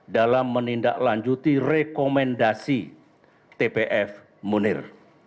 dalam menindaklanjuti rekomendasi tpf munir